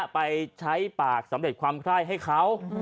ไปใช้ปากสำเร็จความไคร้ให้เขา